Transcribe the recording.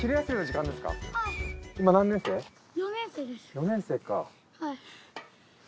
４年生か。